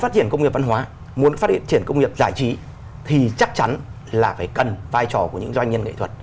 phát triển công nghiệp văn hóa muốn phát triển công nghiệp giải trí thì chắc chắn là phải cần vai trò của những doanh nhân nghệ thuật